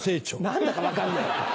何だか分かんない。